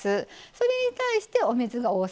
それに対してお水が大さじ６。